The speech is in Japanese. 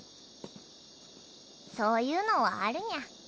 そういうのはあるニャ。